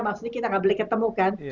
maksudnya kita nggak boleh ketemu kan